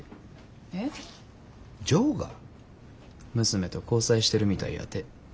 娘と交際してるみたいやて。